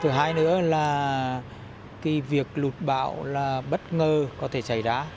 thứ hai nữa là cái việc lụt bão là bất ngờ có thể xảy ra